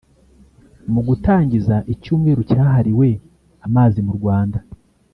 Mu gutangiza icyumweru cyahariwe amazi mu Rwanda